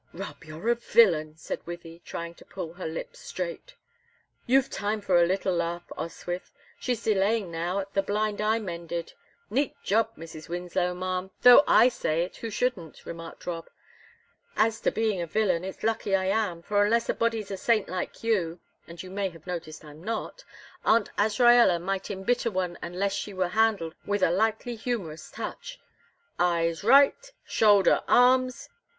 "Rob, you're a villain!" said Wythie, trying to pull her lips straight. "You've time for a little laugh, Oswyth; she's delaying now at the blind I mended neat job, Mrs. Winslow, ma'am, though I say it who shouldn't," remarked Rob. "As to being a villain, it's lucky I am, for unless a body's a saint like you and you may have noticed I'm not Aunt Azraella might embitter one unless she were handled with a lightly humorous touch. Eyes right! Shoulder arms!